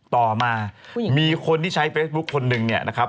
ต่อมามีคนที่ใช้เฟซบุ๊คคนหนึ่งเนี่ยนะครับ